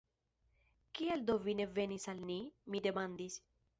Kial do vi ne venis al ni? mi demandis.